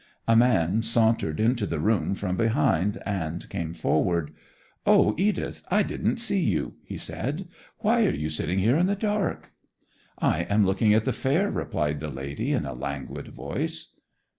A man sauntered into the room from behind and came forward. 'O, Edith, I didn't see you,' he said. 'Why are you sitting here in the dark?' 'I am looking at the fair,' replied the lady in a languid voice.